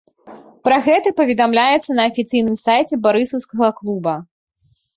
Пра гэта паведамляецца на афіцыйным сайце барысаўскага клуба.